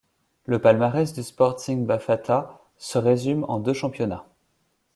Le palmarès du Sporting Bafatá se résume en deux championnats.